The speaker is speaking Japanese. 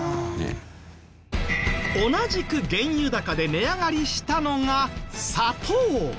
同じく原油高で値上がりしたのが砂糖。